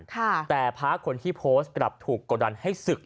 แต่พระคนที่โพสต์กลับถูกกดดันให้ศึก